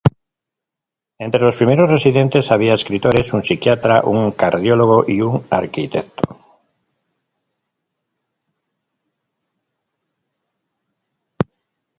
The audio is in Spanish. Entre los primeros residentes había escritores, un psiquiatra, un cardiólogo y un arquitecto.